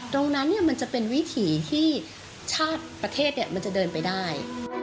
มันจะเป็นวิถีที่ชาติประเทศมันจะเดินไปได้